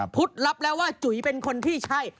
รับแล้วว่าจุ๋ยเป็นคนที่ใช่